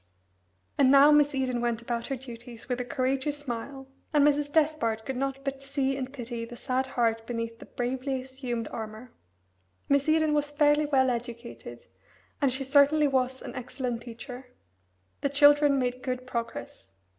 And now Miss Eden went about her duties with a courageous smile, and Mrs. Despard could not but see and pity the sad heart beneath the bravely assumed armour. Miss Eden was fairly well educated, and she certainly was an excellent teacher. The children made good progress.